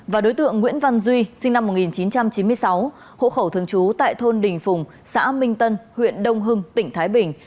và đối tượng nguyễn văn duy sinh năm một nghìn chín trăm chín mươi sáu hộ khẩu thường trú tại thôn đình phùng xã minh tân huyện đông hưng tỉnh thái bình